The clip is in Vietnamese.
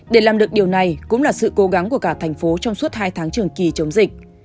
để làm được điều này cũng là sự cố gắng của cả thành phố trong suốt hai tháng trường kỳ chống dịch